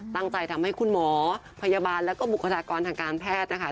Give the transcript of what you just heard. ทำให้คุณหมอพยาบาลแล้วก็บุคลากรทางการแพทย์นะคะ